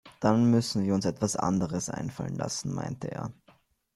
Dann müssen wir uns etwas anderes einfallen lassen, meinte er.